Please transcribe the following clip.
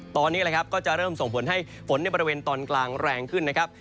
ตอนนี้แหละครับก็จะเริ่มส่งผลให้ฝนในบริเวณตอนกลางแรงขึ้นนะครับ